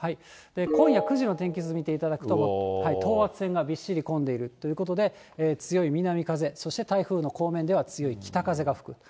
今夜９時の天気図見ていただくと、等圧線がびっしり混んでいるということで、強い南風、そして台風の後面では強い北風が吹く。